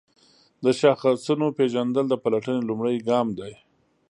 د شاخصونو پیژندل د پلټنې لومړی ګام دی.